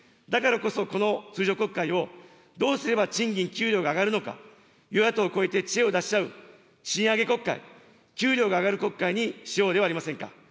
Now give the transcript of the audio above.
だからこそ、この通常国会を、どうすれば賃金、給料が上がるのか、与野党を超えて知恵を出し合う賃上げ国会、給料が上がる国会にしようではありませんか。